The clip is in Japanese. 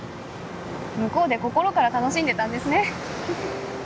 向こうで心から楽しんでたんですね